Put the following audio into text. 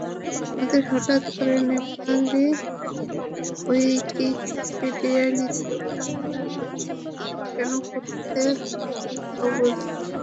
আমাদের হঠাৎ করে নেপালি উইকিপিডিয়া নীতিমালা গ্রহন কেন করতে হবে তাও বুঝলাম না।